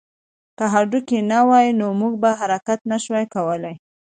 که هډوکي نه وی نو موږ به حرکت نه شوای کولی